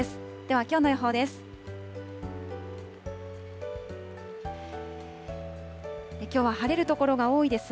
ではきょうの予報です。